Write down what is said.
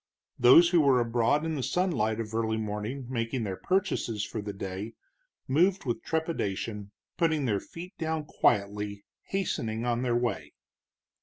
Those who were abroad in the sunlight of early morning making their purchases for the day, moved with trepidation, putting their feet down quietly, hastening on their way.